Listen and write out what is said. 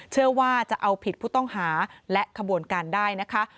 เชื่อว่าจะเอาผิดผู้ต้องหาและขบวนการได้นะคะ